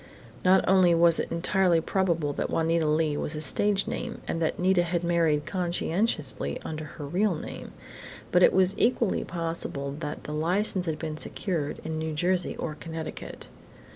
Not only was it entirely probable that Juanita Leigh was a stage name and that Nita had married conscientiously under her real name, but it was equally possible that the license had been secured in New Jersey or Connecticut.